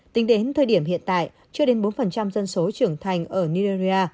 tính đến thời điểm hiện tại chưa đến bốn dân số trưởng thành ở nigeria